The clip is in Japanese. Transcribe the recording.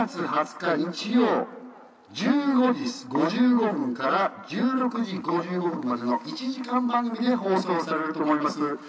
日曜１５時５５分から１６時５５分までの１時間番組で放送されると思います。